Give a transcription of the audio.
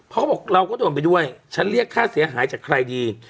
เขาบอกเราก็โดนไปด้วยฉันเรียกค่าเสียหายจากใครดี